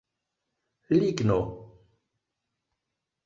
Ligno